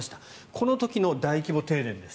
この時の大規模停電です。